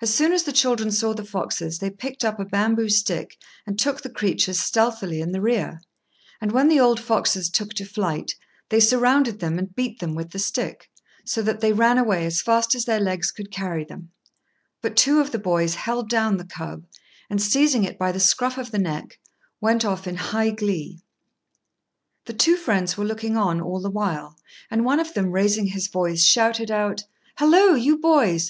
As soon as the children saw the foxes, they picked up a bamboo stick and took the creatures stealthily in the rear; and when the old foxes took to flight, they surrounded them and beat them with the stick, so that they ran away as fast as their legs could carry them; but two of the boys held down the cub, and, seizing it by the scruff of the neck, went off in high glee. The two friends were looking on all the while, and one of them, raising his voice, shouted out, "Hallo! you boys!